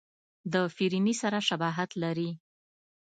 د فرني سره شباهت لري.